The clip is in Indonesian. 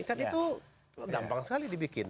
kan itu gampang sekali dibikin